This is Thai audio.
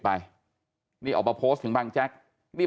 ไปนี่ออกมาถึงบางแจ็กนี่